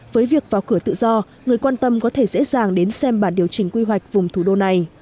với việc vào cửa tự do người quan tâm có thể dễ dàng đến xem bản điều chỉnh quy hoạch vùng thủ đô này